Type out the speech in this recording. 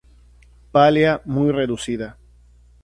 Pálea muy reducida.